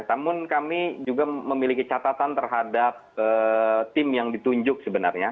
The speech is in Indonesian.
namun kami juga memiliki catatan terhadap tim yang ditunjuk sebenarnya